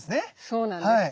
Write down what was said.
そうなんです。